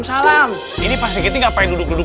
ustadz orang lagi jatuh di kata duduk duduk